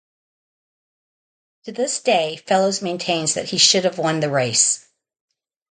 To this day Fellows maintains that he should have won the race.